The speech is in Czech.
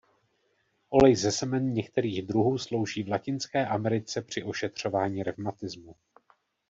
Olej ze semen některých druhů slouží v Latinské Americe při ošetřování revmatismu.